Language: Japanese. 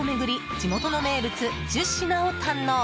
地元の名物１０品を堪能！